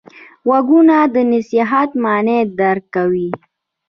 غوږونه د نصیحت معنی درک کوي